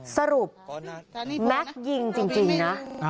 สรุปแม็กซ์ยิงจริงนะ